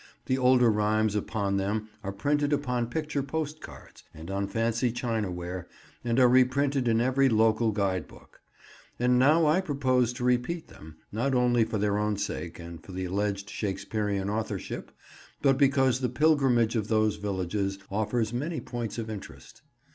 The older rhymes upon them are printed upon picture postcards, and on fancy chinaware, and reprinted in every local guide book; and now I propose to repeat them, not only for their own sake and for the alleged Shakespearean authorship, but because the pilgrimage of those villages offers many points of interest.